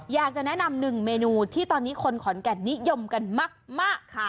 อยากจะแนะนำหนึ่งเมนูที่ตอนนี้คนขอนแก่นนิยมกันมากค่ะ